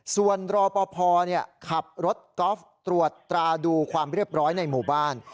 ส่วนรอปภขับรถกอล์ฟตรวจตราดูความเรียบร้อยในหมู่บ้าน